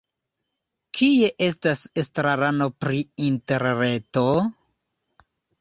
Kie estas estrarano pri interreto?